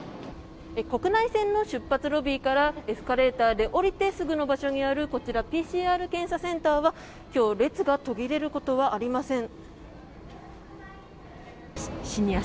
国内線の出発ロビーからエスカレーターで降りてすぐの場所にあるこちら、ＰＣＲ検査センターは今日、列が途切れることはありません。